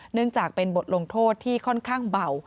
เนื่องจากเป็นบทลงโทษที่ค่อนข้างเบา